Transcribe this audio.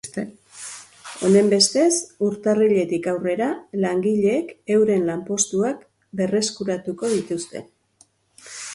Honenbestez, urtarriletik aurrera, langileek euren lanpostuak berreskuratuko dituzte.